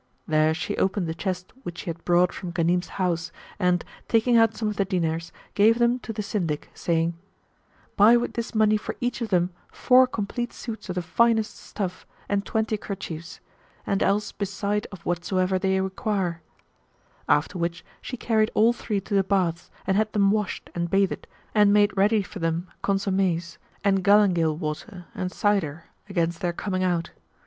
There she opened the chest which she had brought from Ghanim's house and, taking out some of the dinars, gave them to the Syndic saying, "Buy with this money for each of them four complete suits of the finest stuffs and twenty kerchiefs, and else beside of whatsoever they require;" after which she carried all three to the baths and had them washed and bathed and made ready for them consommés, and galangale water and cider against their coming out.